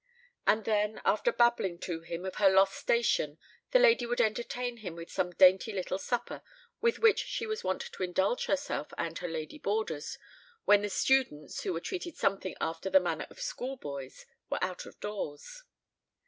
And then, after babbling to him of her lost station, the lady would entertain him with some dainty little supper with which she was wont to indulge herself and her lady boarders, when the students who were treated something after the manner of school boys were out of doors.